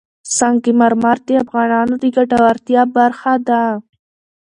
سنگ مرمر د افغانانو د ګټورتیا برخه ده.